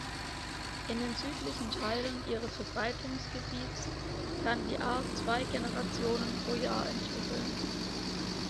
In den südlichen Teilen ihres Verbreitungsgebiets kann die Art zwei Generationen pro Jahr entwickeln.